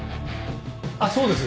あっそうです。